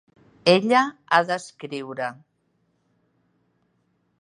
Ella ha d'escriure.